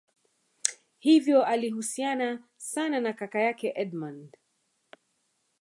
hivyo alihusiana sana na kaka yake edmund